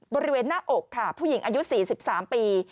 บริเวณหน้าอกค่ะผู้หญิงอายุ๔๓ปี